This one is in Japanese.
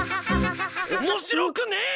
面白くねえ！